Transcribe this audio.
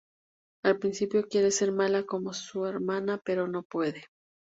Al principio quiere ser mala como su hermana, pero no puede.